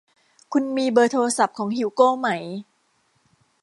คุณมีเบอร์โทรศัพท์ของฮิวโกไหม